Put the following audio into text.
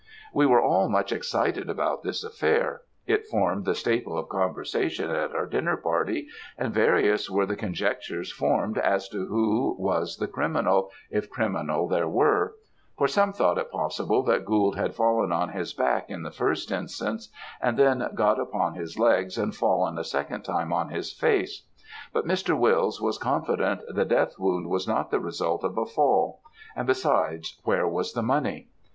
We were all much excited about this affair; it formed the staple of conversation at our dinner party, and various were the conjectures formed as to who was the criminal, if criminal there were; for some thought it possible that Gould had fallen on his back in the first instance, and then got upon his legs, and fallen a second time on his face; but Mr. Wills was confident the death wound was not the result of a fall; and besides, where was the money?